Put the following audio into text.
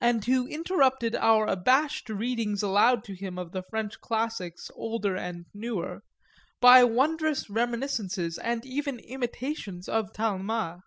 and who interrupted our abashed readings aloud to him of the French classics older and newer by wondrous reminiscences and even imitations of Talma.